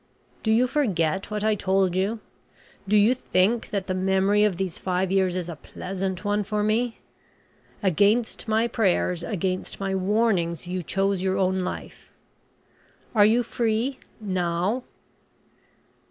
Do you forget what I told you? Do you think that the memory of these five years is a pleasant one for me? Against my prayers, against my warnings, you chose your own life. Are you free now?"